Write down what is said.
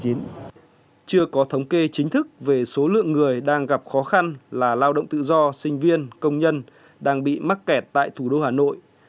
chưa có thống kê chính thức về số lượng người đang gặp khó khăn là lao động tự do sinh viên công nhân đang bị mắc kẹt tại thủ đô hà nội